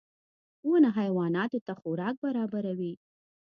• ونه حیواناتو ته خوراک برابروي.